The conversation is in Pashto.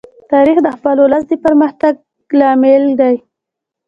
تاریخ د خپل ولس د پرمختګ لامل دی.